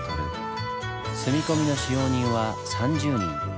住み込みの使用人は３０人。